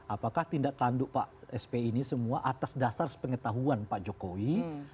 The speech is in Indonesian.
apakah tindak tanduk pak sp ini semua atas dasar sepengetahuan pak jokowi